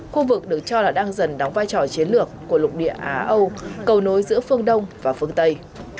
khu vực được cho là đang dần đóng vai trò chiến lược của lục địa á âu cầu nối giữa phương đông và phương tây